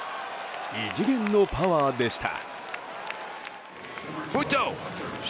異次元のパワーでした。